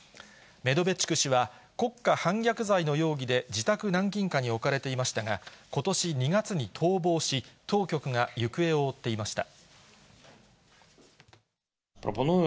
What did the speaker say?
メドベチュク氏は、国家反逆罪の容疑で自宅軟禁下に置かれていましたが、ことし２月に逃亡し、当局が行方を追っていました。